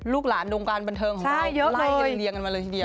หลานวงการบันเทิงของเราไล่กันเรียงกันมาเลยทีเดียว